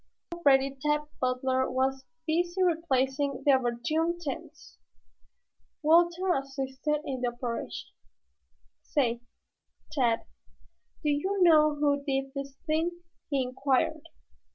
Already Tad Butler was busy replacing the overturned tents. Walter assisted in the operation. "Say, Tad, do you know who did this thing?" he inquired.